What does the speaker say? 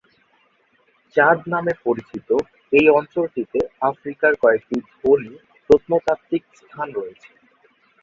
চাদ নামে পরিচিত এই অঞ্চলটিতে আফ্রিকার কয়েকটি ধনী প্রত্নতাত্ত্বিক স্থান রয়েছে।